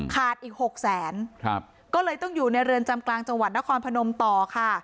อีกหกแสนครับก็เลยต้องอยู่ในเรือนจำกลางจังหวัดนครพนมต่อค่ะ